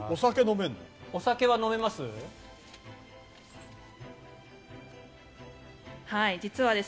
お酒は飲めます？